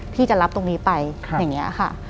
พี่จะรับตรงนี้ไปอย่างนี้ค่ะ